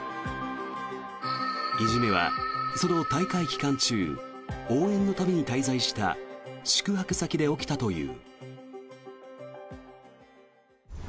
いじめはその大会期間中応援のために滞在した宿泊先で起きたという。